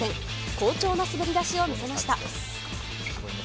好調な滑り出しを見せました。